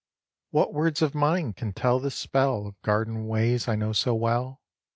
III. What words of mine can tell the spell Of garden ways I know so well?